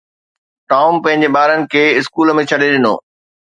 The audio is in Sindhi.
ٽام پنهنجي ٻارن کي اسڪول ۾ ڇڏي ڏنو.